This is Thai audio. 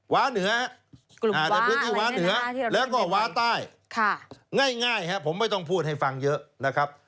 ว้าเหนือในพื้นที่ว้าเหนือแล้วก็ว้าใต้ง่ายครับผมไม่ต้องพูดให้ฟังเยอะนะครับ